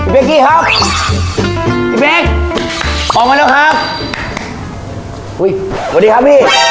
พี่เป๊กกี้ครับ